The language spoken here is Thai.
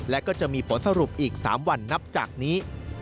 และก็จะมีผลสรุปอีก๓วันนับจากนี้